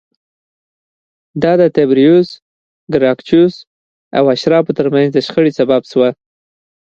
دا د تبریوس ګراکچوس او اشرافو ترمنځ د شخړې سبب شوه